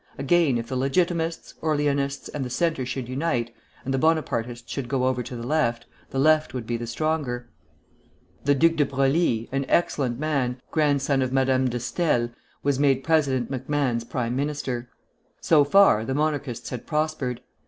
Again, if the Legitimists, Orleanists, and the Centre should unite, and the Bonapartists should go over to the Left, the Left would be the stronger. The Duc de Broglie, an excellent man, grandson of Madame de Staël, was made President MacMahon's prime minister. So far the Monarchists had prospered.